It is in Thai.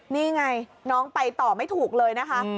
นี่ไงน้องไปต่อไม่ถูกเลยนะคะ